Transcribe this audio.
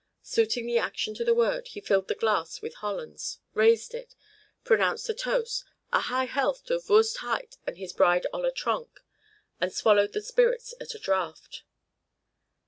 Suiting the action to the word, he filled the glass with Hollands, raised it, pronounced the toast, "A High Health to Voorst Huyt and to his bride Olla Tronk," and swallowed the spirits at a draught.